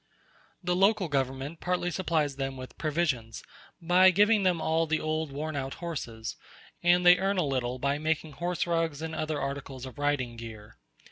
The local government partly supplies them with provisions, by giving them all the old worn out horses, and they earn a little by making horse rugs and other articles of riding gear.